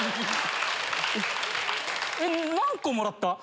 えっ何個もらった？